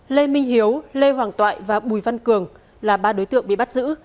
lê minh hiếu lê hoàng toại và bùi văn cường là ba đối tượng bị bắt giữ